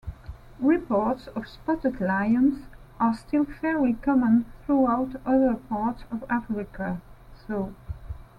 Reports of spotted lions are still fairly common throughout other parts of Africa, though.